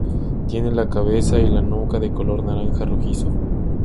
Tiene la cabeza y la nuca de color naranja rojizo.